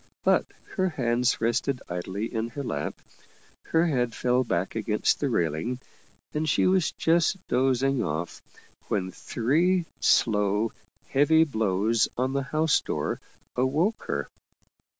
But her hands rested idly in her lap, her head fell back against the railing, and she was just dozing off when three slow, heavy blows on the house door awoke her.